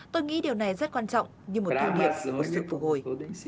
tôi nghĩ điều này rất quan trọng như một thông điệp một sự phục hồi